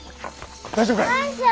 大丈夫かい？